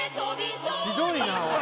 ひどいなおい